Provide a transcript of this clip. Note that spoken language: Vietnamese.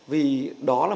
vì đó là